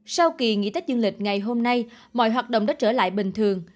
sau kỳ nghỉ tết dương lịch ngày hôm nay mọi hoạt động đã trở lại bình thường